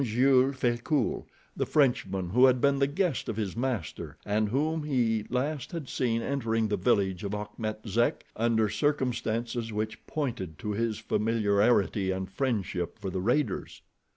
Jules Frecoult, the Frenchman who had been the guest of his master and whom he last had seen entering the village of Achmet Zek under circumstances which pointed to his familiarity and friendship for the raiders.